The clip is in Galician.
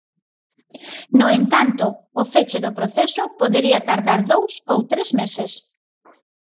No entanto, o feche do proceso podería tardar dous ou tres meses.